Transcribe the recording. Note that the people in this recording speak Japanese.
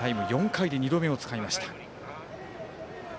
４回に２度目を使いました。